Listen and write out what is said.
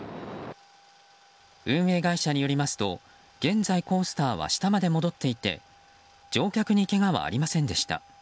運営会社によりますと現在、コースターは下まで戻っていて乗客にけがはありませんでした。